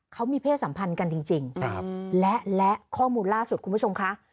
เขามีเพศสัมพันธ์กันจริงและและข้อมูลล่าสุดคุณผู้ชมคะ